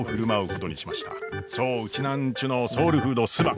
そうウチナーンチュのソウルフードすば！